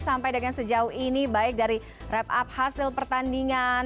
sampai dengan sejauh ini baik dari rap up hasil pertandingan